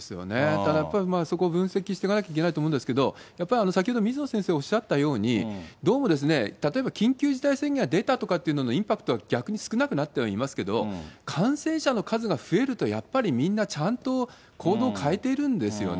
ただやっぱり、そこ分析していかなきゃいけないと思うんですけど、やっぱり先ほど水野先生おっしゃったように、どうもですね、例えば緊急事態宣言が出たとかというののインパクトは逆に少なくなってはいますけれども、感染者の数が増えると、やっぱりみんなちゃんと行動変えているんですよね。